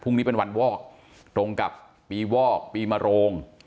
นี้เป็นวันวอกตรงกับปีวอกปีมโรง